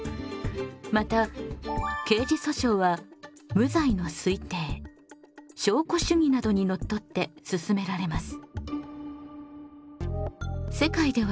また刑事訴訟は無罪の推定証拠主義などにのっとって進められます。